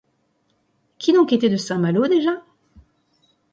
Qui donc était de Saint-Malo, déjà?